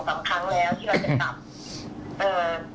ทำไมก็ให้เรารงล่ะ